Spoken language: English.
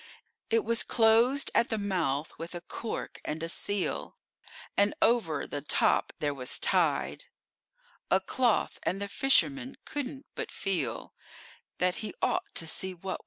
It was closed at the mouth with a cork and a seal, And over the top there was tied A cloth, and the fisherman couldn't but feel That he ought to see what was inside.